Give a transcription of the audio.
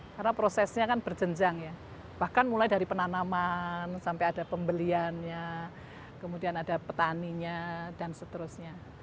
karena prosesnya kan berjenjang ya bahkan mulai dari penanaman sampai ada pembeliannya kemudian ada petaninya dan seterusnya